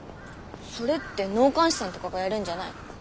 それって納棺師さんとかがやるんじゃないの？